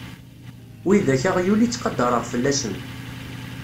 Widak aɣyul i ttqadareɣ fell-asen.